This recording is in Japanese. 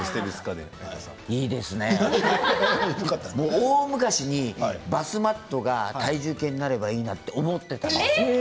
大昔にバスマットが体重計になればいいなと思っていたんです。